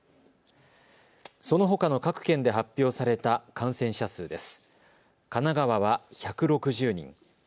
そのほかの各県で発表された感染者数です。